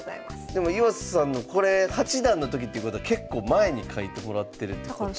でも岩佐さんのこれ八段の時っていうことは結構前に書いてもらってるってことですよね。